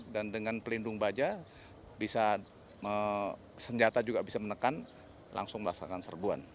dan dengan pelindung baja senjata juga bisa menekan langsung merasakan serbuan